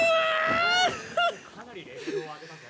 ・今日一日でかなりレベルを上げたぜ。